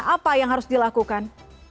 apa yang harus dilakukan